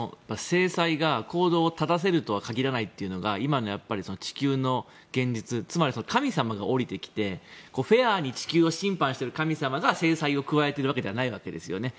制裁が行動を正せるとは限らないというのが今の地球の現実つまり、神様が降りてきてフェアに地球を審判している神様が制裁を加えているわけではないわけですよね。